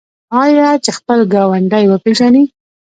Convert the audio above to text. آیا چې خپل ګاونډی وپیژني؟